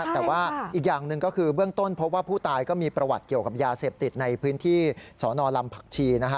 แต่ว่าอีกอย่างหนึ่งก็คือเบื้องต้นพบว่าผู้ตายก็มีประวัติเกี่ยวกับยาเสพติดในพื้นที่สนลำผักชี